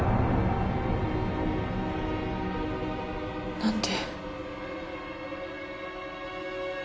何で？